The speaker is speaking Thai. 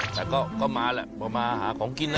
แต่ก็มาแหละมาหาของกินนะ